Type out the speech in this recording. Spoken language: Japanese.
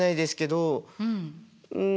うん。